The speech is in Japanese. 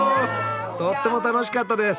とっても楽しかったです！